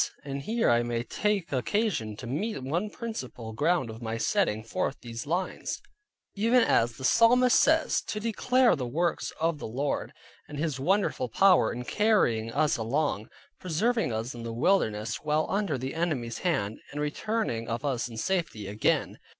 And here I may take occasion to mention one principal ground of my setting forth these lines: even as the psalmist says, to declare the works of the Lord, and His wonderful power in carrying us along, preserving us in the wilderness, while under the enemy's hand, and returning of us in safety again.